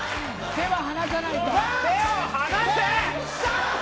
手は離さないと。